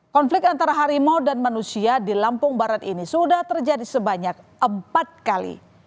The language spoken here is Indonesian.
konflik antara harimau dan manusia di lampung barat ini sudah terjadi sebanyak empat kali